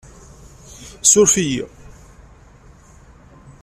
Surf-iyi?